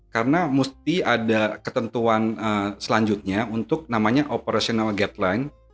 karena mesti ada ketentuan selanjutnya untuk namanya operational guidelines